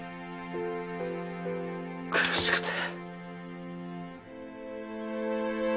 苦しくて。